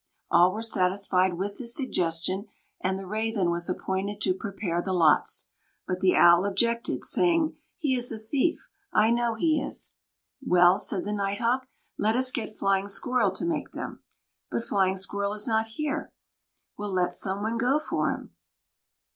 All were satisfied with this suggestion, and the Raven was appointed to prepare the lots; but the Owl objected, saying: "He is a thief; I know he is." "Well," said the Night Hawk, "let us get Flying Squirrel to make them." "But Flying Squirrel is not here." "Well, let some one go for him."